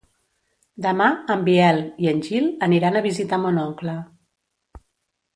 Demà en Biel i en Gil aniran a visitar mon oncle.